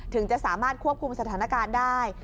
ถึงจะสามารถควบคุมสถานการณ์ได้